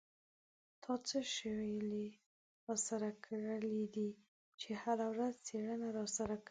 تا څه شولې را سره کرلې دي چې هره ورځ څېړنه را سره کوې.